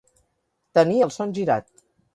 Tenir el son girat.